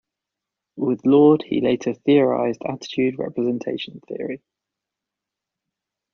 With Lord he later theorized attitude representation theory.